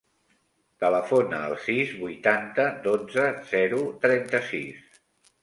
Telefona al sis, vuitanta, dotze, zero, trenta-sis.